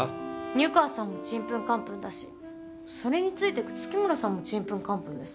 湯川さんもちんぷんかんぷんだしそれについてく月村さんもちんぷんかんぷんです。